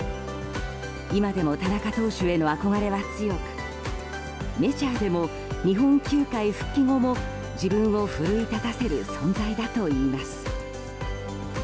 今でも田中投手への憧れは強くメジャーでも日本球界復帰後も自分を奮い立たせる存在だといいます。